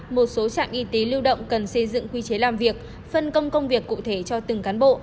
một số trạm y tế lưu động cần xây dựng quy chế làm việc phân công công việc cụ thể cho từng cán bộ